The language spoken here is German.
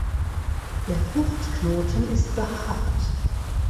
Der Fruchtknoten ist behaart.